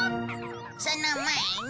その前に。